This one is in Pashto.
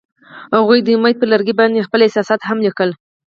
هغوی د امید پر لرګي باندې خپل احساسات هم لیکل.